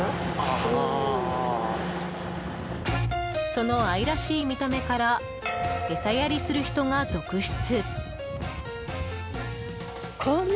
その愛らしい見た目から餌やりする人が続出。